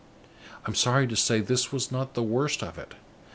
I am sorry to say, this is not the worst of it.